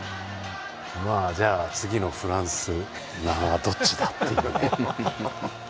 じゃあ、次のフランス、南アどっちだっていうね。